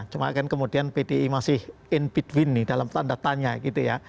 cuma kan kemudian pdi masih in between nih dalam tanda tanya gitu ya